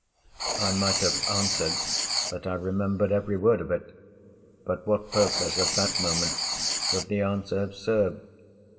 I might have answered that I remembered every word of it. But what purpose, at that moment, would the answer have served?